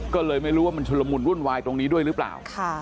ก็เลยไม่รู้ว่ามันชุลมุนวุ่นวายตรงนี้ด้วยหรือเปล่า